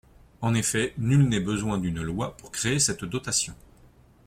En effet, nul n’est besoin d’une loi pour créer cette dotation.